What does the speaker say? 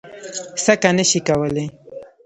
څکه نه شي کولی.